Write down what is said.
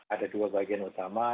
ada dua bagian utama